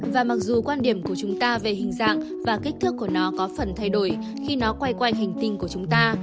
và mặc dù quan điểm của chúng ta về hình dạng và kích thước của nó có phần thay đổi khi nó quay quanh hành tinh của chúng ta